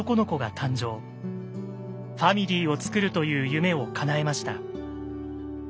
ファミリーをつくるという夢をかなえました。